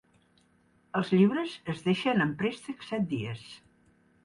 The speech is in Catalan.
Els llibres es deixen en préstec set dies.